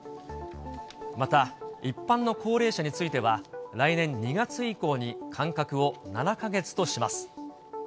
また、一般の高齢者については、来年２月以降に間隔を７か月とします。